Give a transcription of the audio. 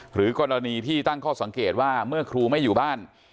หรือกรณีที่ตั้งข้อสังเกตว่าเมื่อครูไม่อยู่บ้าน